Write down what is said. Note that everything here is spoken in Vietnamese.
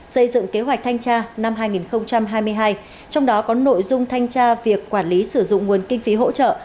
xây dựng kế hoạch thanh tra năm hai nghìn hai mươi hai trong đó có nội dung thanh tra việc quản lý sử dụng nguồn kinh phí hỗ trợ